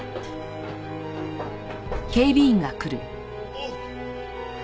あっ！